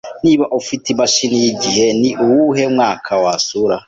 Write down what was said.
Niba ufite imashini yigihe, ni uwuhe mwaka wasura?